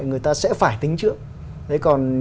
người ta sẽ phải tính trước